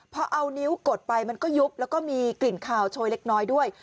พอเอานิ้วกดไปมันก็ยุบแล้วก็มีกลิ่นขาวโชยเล็กน้อยด้วย